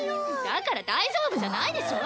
だから大丈夫じゃないでしょ！